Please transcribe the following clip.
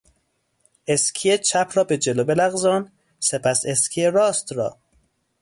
اسکی چپ را به جلو بلغزان، سپس اسکی راست را.